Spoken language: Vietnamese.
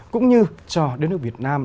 cũng như cho đất nước việt nam